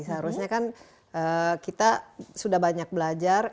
seharusnya kan kita sudah banyak belajar